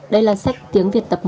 đây là sách tiếng việt tập một à